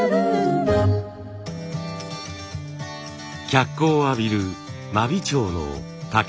脚光を浴びる真備町の竹製品。